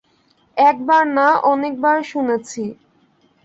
একবার না, অনেক বার শুনেছি।